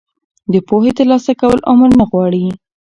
د پوهې ترلاسه کول عمر نه غواړي.